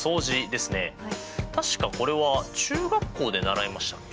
確かこれは中学校で習いましたっけ？